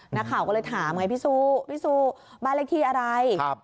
นักข่าวก็เลยถามไงพี่ซูพี่ซูบ้านเลขที่อะไร